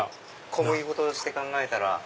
小麦粉として考えたら。